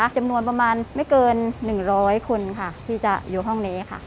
จำนวนประมาณไม่เกิน๑๐๐คนค่ะที่จะอยู่ห้องนี้ค่ะ